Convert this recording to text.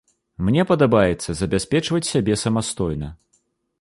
Мне падабаецца забяспечваць сябе самастойна.